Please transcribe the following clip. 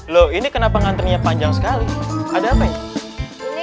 loh ini kenapa ngantrinya panjang sekali ada apa ini